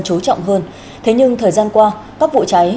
chú trọng hơn thế nhưng thời gian qua các vụ cháy